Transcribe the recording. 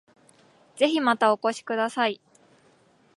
ぜひまたお越しください